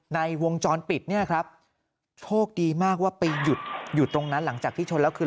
ในวงจรปิดโชคดีมากว่าไปหยุดหยุดตรงนั้นหลังจากที่ชนแล้วคืน